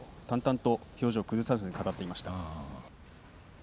淡々と表情を崩さずに語っていました。